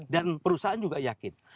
dan perusahaan juga yakin